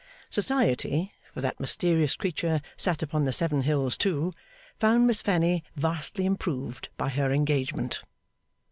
Society (for that mysterious creature sat upon the Seven Hills too) found Miss Fanny vastly improved by her engagement.